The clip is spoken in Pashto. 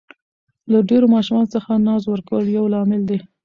له ډېرو ماشومانو څخه ناز ورکول یو لامل دی.